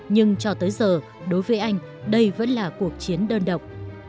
nhưng cho tới giờ đối với anh đây vẫn là cuộc chiến đơn độc